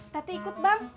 tati ikut bang